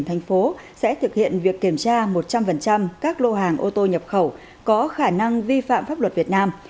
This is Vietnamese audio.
thành phố sẽ thực hiện việc kiểm tra một trăm linh các lô hàng ô tô nhập khẩu có khả năng vi phạm pháp luật việt nam